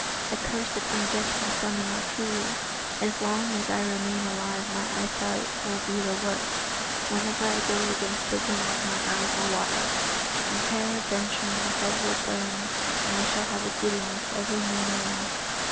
"A cursed ungentle son in law, truly. As long as I remain alive my eyesight will be the worse. Whenever I go against the wind my eyes will water, and peradventure my head will burn, and I shall have a giddiness every new moon.